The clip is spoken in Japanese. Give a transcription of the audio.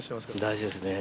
大事ですね。